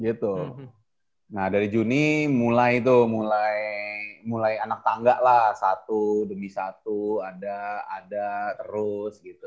nah dari juni mulai tuh mulai anak tangga lah satu demi satu ada terus gitu